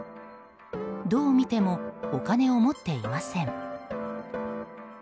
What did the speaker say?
どう見てもお金を持っていません。